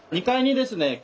２階にですね